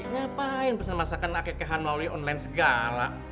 gak ngapain pesen masakan akekahan melalui online segala